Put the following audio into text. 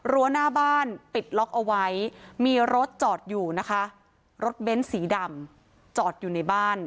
รั้วหน้าบ้านปิดล็อกเอาไว้มีรถจอดอยู่นะคะรถเบ้นสีดำจอดอยู่ในบ้าน